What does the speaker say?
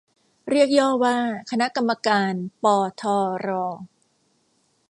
เรียกย่อว่า คณะกรรมการ ปอ ทอ รอ